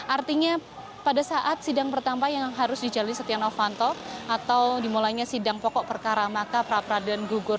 artinya pada saat sidang pertama yang harus dijalani setia novanto atau dimulainya sidang pokok perkara maka pra peradilan gugur